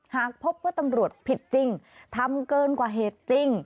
หากพบว่าตำรวจผิดจริงทำเกินกว่าเหตุจริง